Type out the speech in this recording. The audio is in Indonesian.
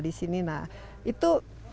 di sini nah itu